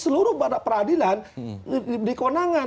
seluruh peradilan dikonangan